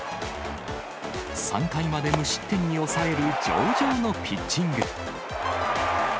３回まで無失点に抑える、上々のピッチング。